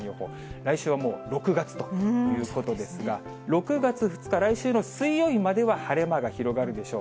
来週はもう６月ということですが、６月２日、来週の水曜日までは晴れ間が広がるでしょう。